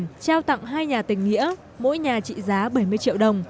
trao tặng hai nhà tình nghĩa mỗi nhà trị giá bảy mươi triệu đồng